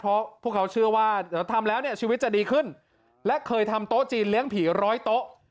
เพราะพวกเขาเชื่อว่าทำแล้วเนี่ยชีวิตจะดีขึ้นและเคยทำโต๊ะจีนเลี้ยงผีร้อยโต๊ะ